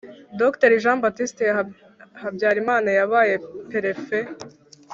Dr Jean Baptiste Habyarimana yabaye Perefe